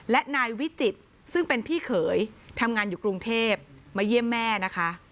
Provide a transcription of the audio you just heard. และนายวิจิตรซึ่งเป็นพี่เขยทำงานอยู่กรุงเทพมาเยี่ยมแม่นะคะ